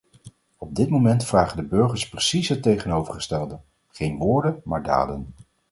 Op dit moment vragen de burgers precies het tegenovergestelde: geen woorden, maar daden.